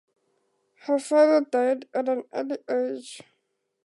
Her father died at an early age.